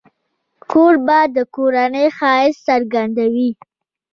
کوربه د کورنۍ ښایست څرګندوي.